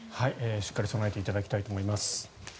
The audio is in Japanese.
しっかり備えていただきたいと思います。